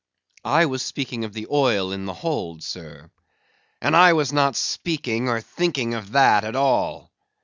"I was speaking of the oil in the hold, sir." "And I was not speaking or thinking of that at all.